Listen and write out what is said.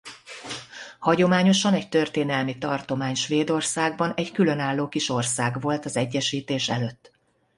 Hagyományosan egy történelmi tartomány Svédországban egy különálló kis ország volt az egyesítés előtt.